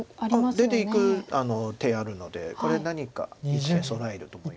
出ていく手あるのでこれ何か１手備えると思います。